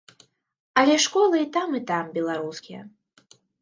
Але школы і там і там беларускія.